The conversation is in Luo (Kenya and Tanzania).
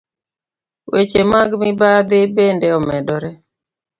Weche mag mibadhi bende omedore.